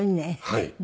はい。